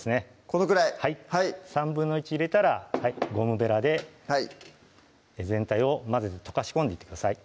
このくらいはい１／３入れたらゴムべらで全体を混ぜて溶かし込んでいってください